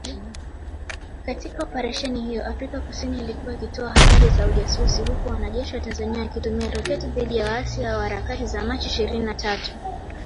Katika Operesheni hiyo, Afrika kusini ilikuwa ikitoa habari za ujasusi huku wanajeshi wa Tanzania wakitumia roketi dhidi ya waasi hao wa Harakati za Machi ishirini na tatu.